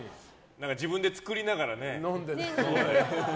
自分で作りながらね。